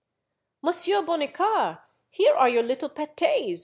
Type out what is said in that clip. " Monsieur Bonnicar ! here are your little pat6s